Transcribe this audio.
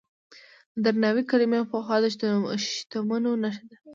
د درناوي کلمې پخوا د شتمنو نښه وه.